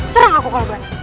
serang aku kalau berani